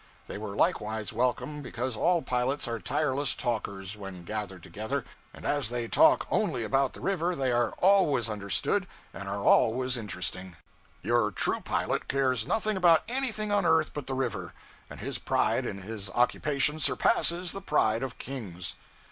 They were likewise welcome because all pilots are tireless talkers, when gathered together, and as they talk only about the river they are always understood and are always interesting. Your true pilot cares nothing about anything on earth but the river, and his pride in his occupation surpasses the pride of kings.